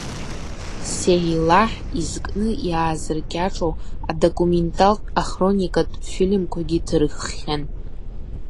Сеилаҳ изкны иаазыркьаҿу адокументалтә-ахроникатә фильмқәагьы ҭырххьан.